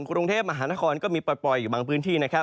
กรุงเทพฯมหานครก็มีปลอดปล่อยอยู่บางพื้นที่